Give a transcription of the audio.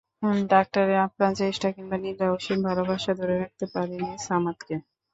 ডাক্তারদের আপ্রাণ চেষ্টা কিংবা নীলার অসীম ভালোবাসা ধরে রাখতে পারেনি সামাদকে।